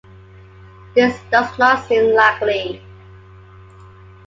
This does not seem likely.